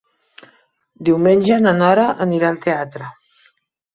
Diumenge na Nora anirà al teatre.